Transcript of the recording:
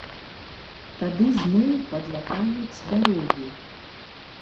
Тады зноў падлатаюць дарогі.